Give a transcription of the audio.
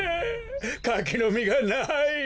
かきのみがない！